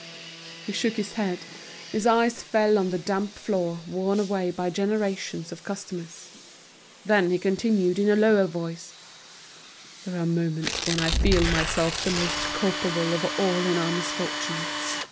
He shook his head, his eyes fell on the damp floor worn away by generations of customers. Then he continued in a lower voice, "There are moments when I feel myself the most culpable of all in our misfortune.